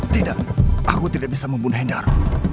tidak aku tidak bisa membunuh hendar